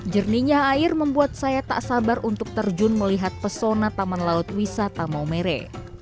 jernihnya air membuat saya tak sabar untuk terjun melihat pesona taman laut wisata maumere